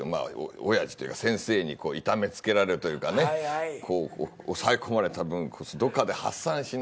親父というか先生に痛めつけられるというかねこう抑え込まれた分どっかで発散しないとね。